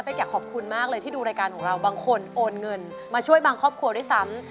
แกขอบคุณมากเลยที่ดูรายการของเราบางคนโอนเงินมาช่วยบางครอบครัวด้วยซ้ำ